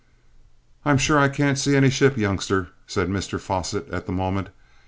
"I'm sure I can't see any ship, youngster," said Mr Fosset at the moment.